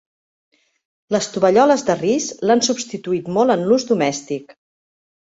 Les tovalloles de ris l'han substituït molt en l'ús domèstic.